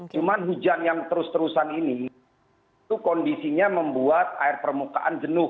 cuma hujan yang terus terusan ini itu kondisinya membuat air permukaan jenuh